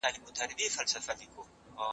زه جنګېږم خو لښکر به نه لرمه